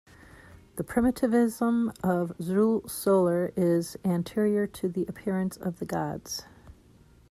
The primitivism of Xul Solar is anterior to the appearance of the Gods.